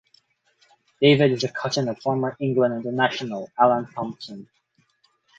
David is the cousin of former England international Alan Thompson.